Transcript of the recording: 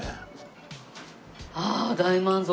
あ大満足！